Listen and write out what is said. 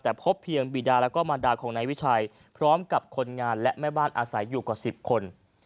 แต่พบเพียงบีดาแล้วก็มารดาของนายวิชัยพร้อมกับคนงานและแม่บ้านอาศัยอยู่กว่า๑๐คน